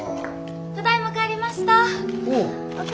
ただいま帰りました。